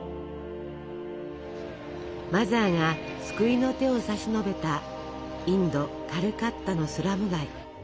マザーが救いの手を差し伸べたインド・カルカッタのスラム街。